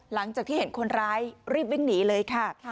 หลังจากที่เห็นคนร้ายรีบวิ่งหนีเลยค่ะ